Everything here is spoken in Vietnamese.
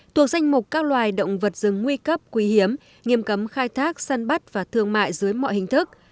thuộc danh mục các loài động vật rừng nguy cấp quý hiếm nghiêm cấm khai thác săn bắt và thương mại dưới mọi hình thức